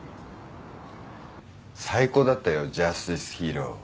最高だったよ『ジャスティスヒーロー』